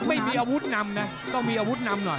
ไม่มีอาวุธนำนะต้องมีอาวุธนำหน่อย